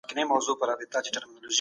همداسي په سفر کي هم خپل حق هبه کولای سي.